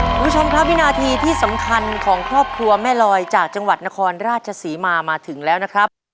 คุณผู้ชมครับวินาทีที่สำคัญของครอบครัวแม่ลอยจากจังหวัดนครราชศรีมามาถึงแล้วนะครับ